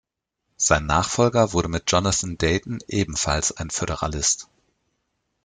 Sein Nachfolger wurde mit Jonathan Dayton ebenfalls ein Föderalist.